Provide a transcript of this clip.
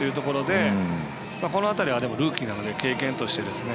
そこはルーキーなので経験としてですね。